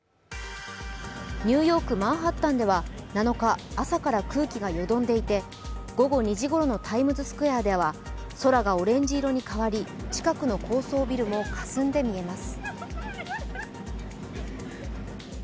ニューヨーク・マンハッタンでは７日、朝から空気がよどんでいて午後２時ごろのタイムズスクエアでは空がオレンジ色に変わり近くの高層ビルもかすんで見えます。